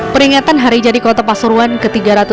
peringatan hari jadi kota pasuruan ke tiga ratus empat puluh